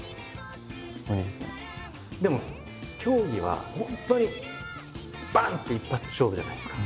でも競技は本当にバン！って一発勝負じゃないですか。